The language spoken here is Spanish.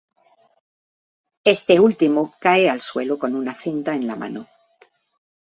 Este último cae al suelo con una cinta en la mano.